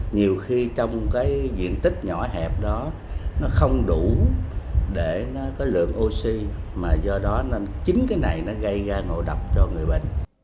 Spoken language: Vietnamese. nhiều khi trong cái diện tích nhỏ hẹp đó nó không đủ để nó có lượng oxy mà do đó nên chính cái này nó gây ra ngộ độc cho người bệnh